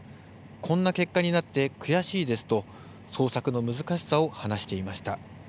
こんな結果になって悔しいですと捜索の難しさを話していました。